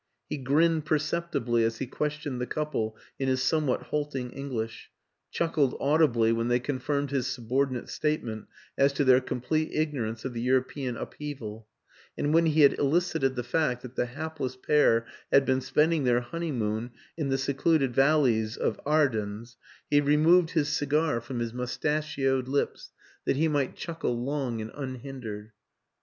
He grinned perceptibly as he questioned the couple in his somewhat halting English; chuckled audibly when they confirmed his sub ordinate's statement as to their complete igno rance of the European upheaval; and when he had elicited the fact that the hapless pair had been spending their honeymoon in the secluded valleys of Ardennes he removed his cigar from his WILLIAM AN ENGLISHMAN 115 mustachioed lips that he might chuckle long and unhindered.